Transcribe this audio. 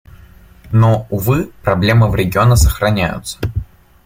Но, увы, проблемы в регионе сохраняются.